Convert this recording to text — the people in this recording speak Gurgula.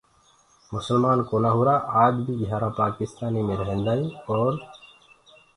مسلمآن ڪونآ هُرآ آج بي گھيآرآ پآڪِستآني مي ريهنٚدآئينٚ اور